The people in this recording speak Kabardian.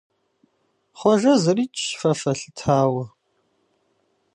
Хъуэжэ зырикӀщ фэ фэлъытауэ.